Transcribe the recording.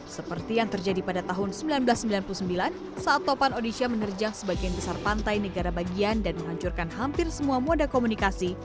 seperti yang terjadi pada tahun seribu sembilan ratus sembilan puluh sembilan saat topan odisha menerjang sebagian besar pantai negara bagian dan menghancurkan hampir semua moda komunikasi